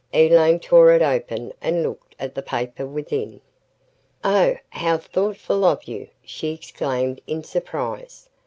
Elaine tore it open and looked at the paper within. "Oh, how thoughtful of you!" she exclaimed in surprise.